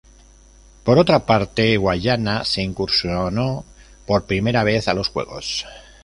Por otra parte Guyana se incursionó por primera vez a los Juegos.